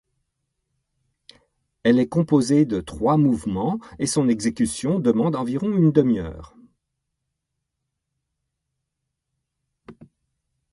Elle est composée de trois mouvements et son exécution demande environ une demi-heure.